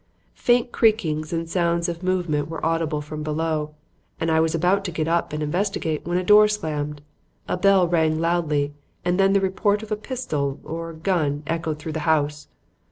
Faint creakings and sounds of movement were audible from below and I was about to get up and investigate when a door slammed, a bell rang loudly and then the report of a pistol or gun echoed through the house.